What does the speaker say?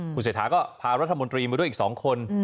คุณเศรษฐาก็พารัฐมนตรีมาด้วยอีก๒คน